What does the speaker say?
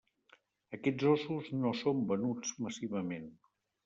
Aquests ossos no són venuts massivament.